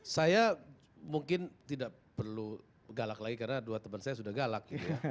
saya mungkin tidak perlu galak lagi karena dua teman saya sudah galak gitu ya